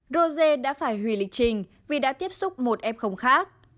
rose đã phải hủy lịch trình vì đã tiếp xúc một f khác